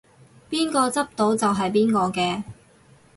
邊個執到就係邊個嘅